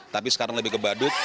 tapi sekarang lebih ke badut